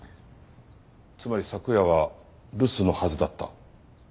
つまり昨夜は留守のはずだった。